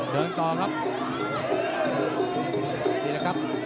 เดินต่อครับ